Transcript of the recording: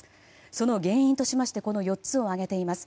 その原因としましてこの４つを挙げています。